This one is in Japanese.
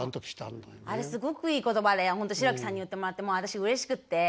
あれすごくいい言葉で本当志らくさんに言ってもらって私うれしくって。